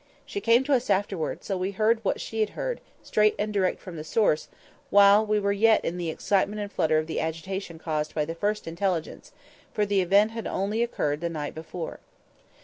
She came to us afterwards; so we heard what she had heard, straight and direct from the source, while we were yet in the excitement and flutter of the agitation caused by the first intelligence; for the event had only occurred the night before.